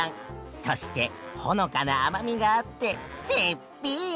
そしてほのかな甘みがあって絶品！